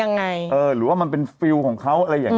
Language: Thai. ก็สอนพ่อท่อนเลี่ยงพอแล้วเท่าไหร่